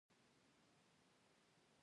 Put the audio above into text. پنځه قاعدې باید په دې جوړښتونو کې وي.